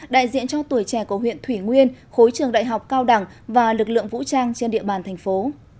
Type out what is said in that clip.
đại diện cho tuổi trẻ của huyện thủy nguyên khối trường đại học cao đẳng và lực lượng vũ trang trên địa bàn thành phố